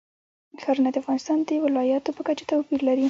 ښارونه د افغانستان د ولایاتو په کچه توپیر لري.